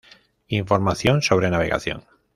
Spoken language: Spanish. Información sobre navegación